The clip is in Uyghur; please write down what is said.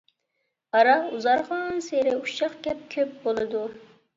ئارا ئۇزارغانسېرى ئۇششاق گەپ كۆپ بولىدۇ!